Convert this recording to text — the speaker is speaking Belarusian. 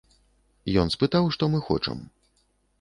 Ён спытаў, што мы хочам.